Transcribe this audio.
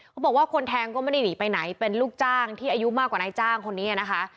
เขาบอกว่าคนแทงก็ไม่ได้หนีไปไหนเป็นลูกจ้างที่อายุมากกว่านายจ้างคนนี้นะคะ